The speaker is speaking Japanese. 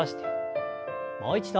もう一度。